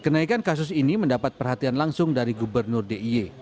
dan kasus ini mendapat perhatian langsung dari gubernur d i y